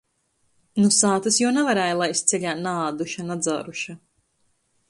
Nu sātys juo navarēja laist ceļā naāduša, nadzāruša.